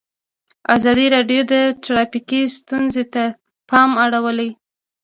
ازادي راډیو د ټرافیکي ستونزې ته پام اړولی.